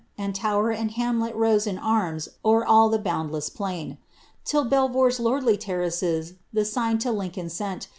And tower and hamlet tcse in arms i.er nil the boiiTldleia rlain ; Till Belvoir's lordly terraces the sign to Lincoln sent.